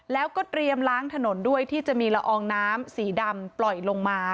แล้วก็เตรียมล้างถนนด้วยที่จะมีละอองน้ำสีดำปล่อยลงมา